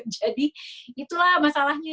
jadi itulah masalahnya